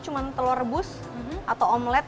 cuma telur rebus atau omelette